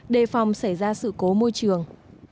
đề phòng xảy ra sự cố môi trường